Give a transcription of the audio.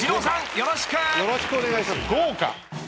よろしくお願いします。